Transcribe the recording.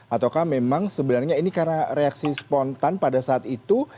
ataukah memang sebenarnya ini karena reaksi spontan pada saat itu